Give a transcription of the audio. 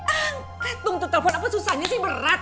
angkat dong tuh telepon apa susahnya sih berat